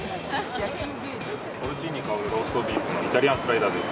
ポルチーニに香るローストビーフのイタリアンスライダーです。